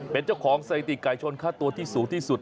เป็นเจ้าของสถิติไก่ชนค่าตัวที่สูงที่สุด